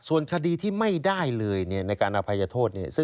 ส่วนคดีที่ไม่ได้เลยในการอภัยโทษ